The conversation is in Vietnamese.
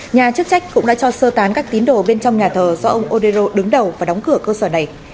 nhà chức trách cũng đã cho sơ tán các tín đồ bên trong nhà thờ do ông odero đứng đầu và đóng cửa cơ sở này